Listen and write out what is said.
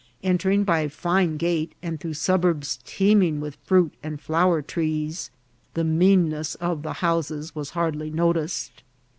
Entering by a fine gate, and through suburbs teeming with fruit and flower trees, the meanness of the houses was hardly noticed.